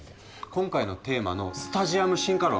今回のテーマのスタジアム進化論